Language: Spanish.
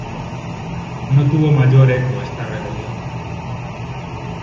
No tuvo mayor eco esta rebelión.